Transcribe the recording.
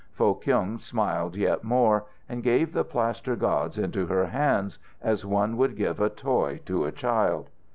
Foh Kyung smiled yet more, and gave the plaster gods into her hands as one would give a toy to a child.